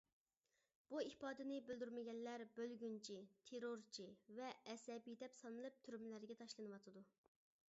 بۇ ئىپادىنى بىلدۈرمىگەنلەر، بۆلگۈنچى، تېررورچى، ۋە ئەسەبىي دەپ سانىلىپ تۈرمىلەرگە تاشلىنىۋاتىدۇ.